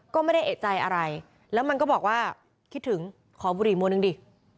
ก็ไม่ได้เอกใจอะไรแล้วมันก็บอกว่าคิดถึงขอบุหรี่มวลหนึ่งดิ